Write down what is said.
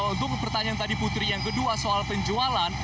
untuk pertanyaan tadi putri yang kedua soal penjualan